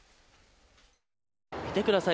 見てください